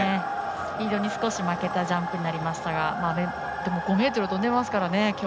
スピードに負けたジャンプになりましたがでも５ｍ跳んでますからね。